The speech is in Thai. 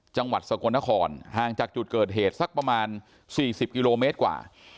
จังหวัดสกลนครห่างจากจุดเกิดเหตุสักประมาณ๔๐กิโลเมตรกว่า